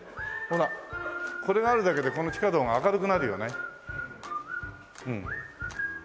これがあるだけでこの地下道が明るくなるよね。